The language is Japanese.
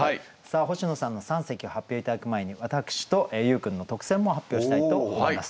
星野さんの三席を発表頂く前に私と優君の特選も発表したいと思います。